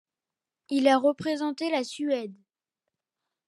Il a représenté la Suède.